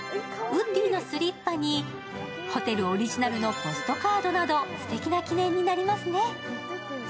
ウッディのスリッパにホテルオリジナルのポストカードなどすてきな記念になりますね。